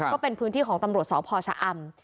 ก็เป็นพื้นที่ของตำรวจสพชะอำ